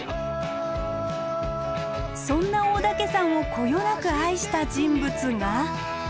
そんな大岳山をこよなく愛した人物が。